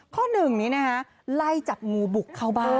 ข้อหนึ่งไล่จับงูบุกเข้าบ้าน